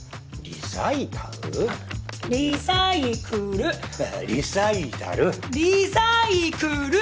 リサイクル！